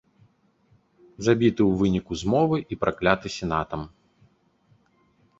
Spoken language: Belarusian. Забіты ў выніку змовы і пракляты сенатам.